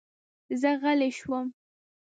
زه غلی شوم.